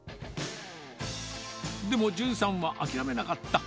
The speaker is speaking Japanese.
でも、淳さんは諦めなかった。